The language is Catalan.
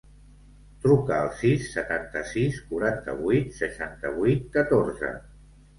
Truca al sis, setanta-sis, quaranta-vuit, seixanta-vuit, catorze.